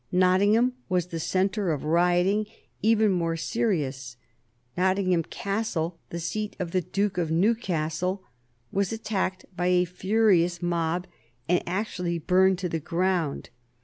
Nottingham was the centre of rioting even more serious. Nottingham Castle, the seat of the Duke of Newcastle, was attacked by a furious mob and actually burned to the ground.